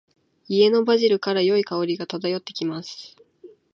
家のバジルから、良い香りが漂ってきます。